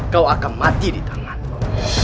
kau akan mati di tanganku